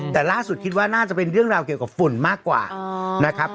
แต่ล่าสุดคิดว่าน่าจะเป็นเรื่องราวเกี่ยวกับฝุ่นมากกว่านะครับ